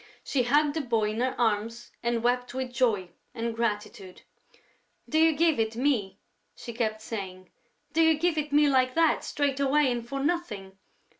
She hugged the boy in her arms and wept with joy and gratitude: "Do you give it me?" she kept saying. "Do you give it me like that, straight away and for nothing?...